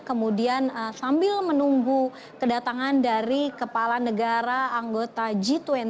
kemudian sambil menunggu kedatangan dari kepala negara anggota g dua puluh